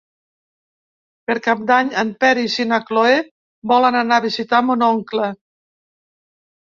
Per Cap d'Any en Peris i na Cloè volen anar a visitar mon oncle.